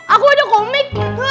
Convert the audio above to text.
aku ada komik